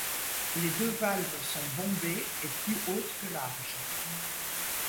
Les deux valves sont bombées et plus hautes que larges.